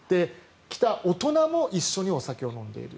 来た大人も一緒にお酒を飲んでいる。